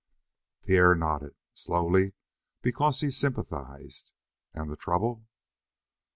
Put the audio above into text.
Pierre nodded, slowly, because he sympathized. "And the trouble?"